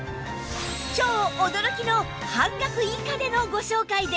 超驚きの半額以下でのご紹介です